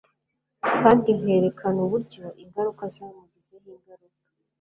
kandi nkerekana uburyo ingaruka zamugizeho ingaruka